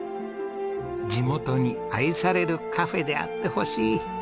「地元に愛されるカフェであってほしい」